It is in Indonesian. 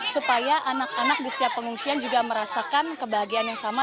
supaya anak anak di setiap pengungsian juga merasakan kebahagiaan yang sama